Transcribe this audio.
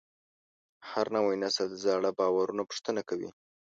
هر نوی نسل زاړه باورونه پوښتنه کوي.